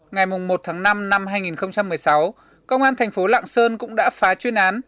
ngày một tháng năm năm hai nghìn một mươi sáu công an thành phố lạng sơn cũng đã phá chuyên án